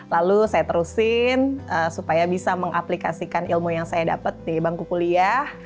lalu saya terusin supaya bisa mengaplikasikan ilmu yang saya dapat di bangku kuliah